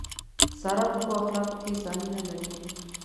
ساره په ښو اخلاقو کې ثاني نه لري.